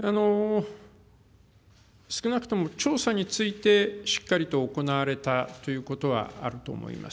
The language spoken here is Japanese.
少なくとも、調査についてしっかりと行われたということはあると思います。